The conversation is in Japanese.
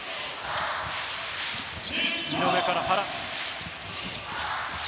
井上から原。